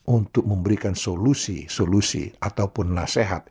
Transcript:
untuk memberikan solusi solusi ataupun nasihat